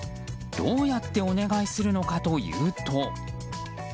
どうやってお願いするのかというと。